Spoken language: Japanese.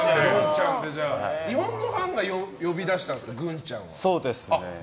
日本のファンが呼び出したんですかそうですね。